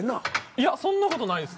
いやそんなことないですね。